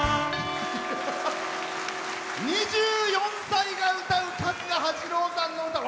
２４歳が歌う春日八郎さんの歌。